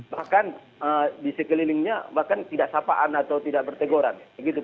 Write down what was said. bahkan di sekelilingnya bahkan tidak sapaan atau tidak berteguran